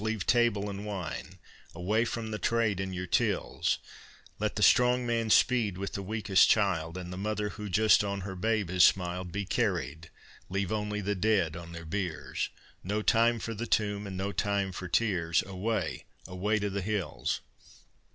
leave table and wine, Away from the trade and your tills; Let the strong man speed with the weakest child, And the mother who just on her babe has smiled Be carried, leave only the dead on their biers, No time for the tomb, and no time for tears; Away, away to the hills!